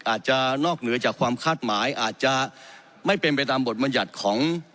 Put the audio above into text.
อาจจะนอกเหนือจากความคาดหมายอาจจะไม่เป็นไปตามบทบรรยัติของ